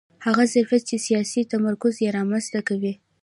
هغه ظرفیت چې سیاسي تمرکز یې رامنځته کوي